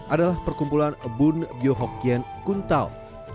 adalah perkumpulan bun byo hokkien kun tao